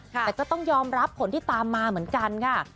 แต่ก็ต้องยอมรับผลที่ตามมาเหมือนกันค่ะ